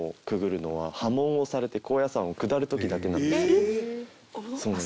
えっ？